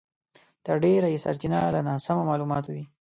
تر ډېره یې سرچينه له ناسمو مالوماتو وي.